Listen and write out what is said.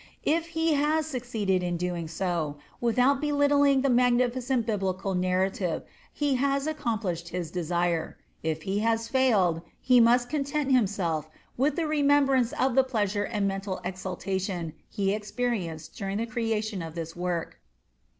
If he has succeeded in doing so, without belittling the magnificent Biblical narrative, he has accomplished his desire; if he has failed, he must content himself with the remembrance of the pleasure and mental exaltation he experienced during the creation of this work.